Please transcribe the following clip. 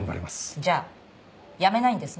じゃあ辞めないんですね？